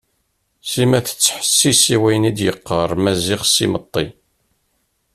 Sima tettḥessis i wayen d-yeqqar Maziɣ s imeṭṭi.